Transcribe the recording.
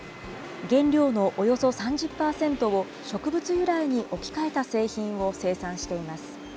原料のおよそ３０％を、植物由来に置き換えた製品を生産しています。